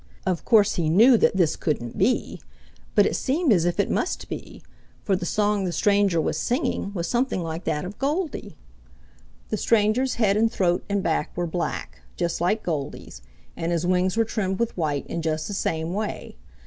Of course he knew that this couldn't be, but it seemed as if it must be, for the song the stranger was singing was something like that of Goldy. The stranger's head and throat and back were black, just like Goldy's, and his wings were trimmed with white in just the same way.